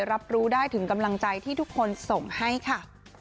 รับรู้ได้ถึงกำลังใจที่ทุกคนส่งให้ค่ะ